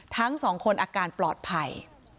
ทั้งสองคนอาการปลอดภัย